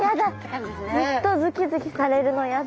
ずっとズキズキされるのやだ。